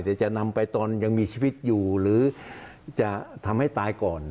แต่จะนำไปตอนยังมีชีวิตอยู่หรือจะทำให้ตายก่อน